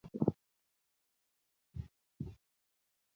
Ichame mauek ngircho?